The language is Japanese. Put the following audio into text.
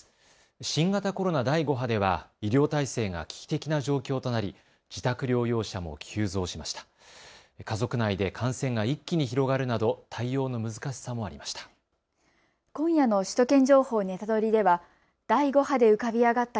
新型コロナ第５波では医療体制が危機的な状況となり自宅療養者も急増しました。